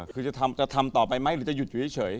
คือจะทำต่อไปไหมหรือจะหยุดอยู่เฉย